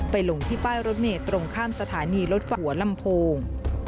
ลงที่ป้ายรถเมย์ตรงข้ามสถานีรถหัวลำโพง